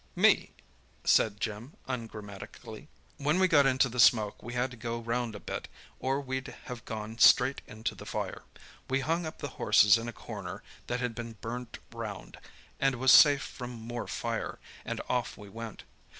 "Me," said Jim ungrammatically. "When we got into the smoke we had to go round a bit, or we'd have gone straight into the fire. We hung up the horses in a corner that had been burnt round, and was safe from more fire, and off we went.